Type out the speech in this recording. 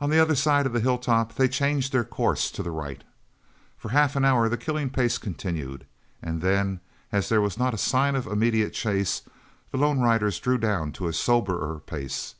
On the other side of the hill top they changed their course to the right. For half an hour the killing pace continued, and then, as there was not a sign of immediate chase, the lone riders drew down to a soberer pace.